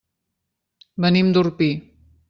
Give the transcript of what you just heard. Venim d'Orpí.